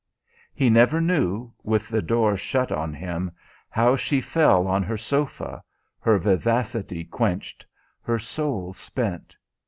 He never knew, with the door shut on him, how she fell on her sofa her vivacity quenched, her soul spent.